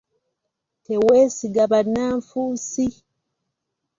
Teweesiga bannanfuusi.